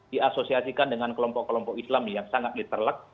diasosiasikan dengan kelompok kelompok islam yang sangat literlek